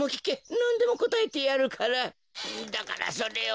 なんでもこたえてやるからだからそれを。